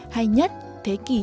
hay nhất thế kỷ hai mươi